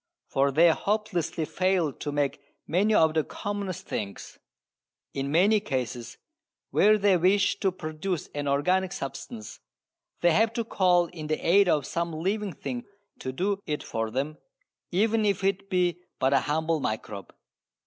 For they hopelessly fail to make many of the commonest things. In many cases where they wish to produce an organic substance they have to call in the aid of some living thing to do it for them, even if it be but a humble microbe.